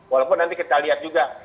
walaupun nanti kita lihat juga